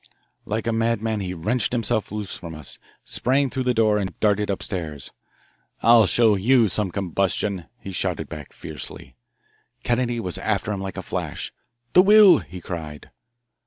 Like a madman he wrenched himself loose from us, sprang through the door, and darted upstairs. "I'll show you some combustion!" he shouted back fiercely. Kennedy was after him like a flash. "The will!" he cried.